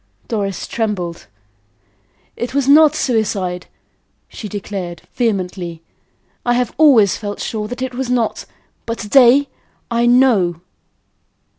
Doris trembled. "It was not suicide," she declared, vehemently. "I have always felt sure that it was not; but to day I KNOW."